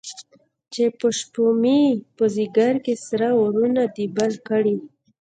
چې په شپومې، په ځیګر کې سره اورونه دي بل کړی